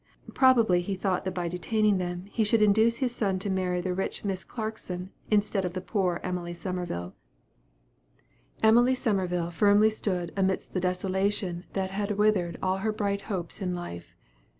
Probably he thought that by detaining them, he should induce his son to marry the rich Miss Clarkson, instead of the poor Emily Summerville. Emily Summerville firmly stood amidst the desolation that had withered all her bright hopes in life.